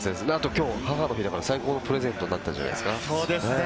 今日、母の日だから最高のプレゼントになったんじゃないですか？